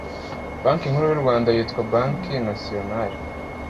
Banki Nkuru y u Rwanda yitwa Banki nasiyonare